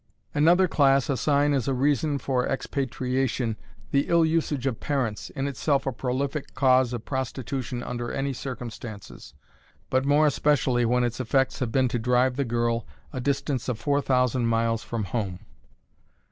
Another class assign as a reason for expatriation the ill usage of parents, in itself a prolific cause of prostitution under any circumstances, but more especially when its effects have been to drive the girl a distance of four thousand miles from home.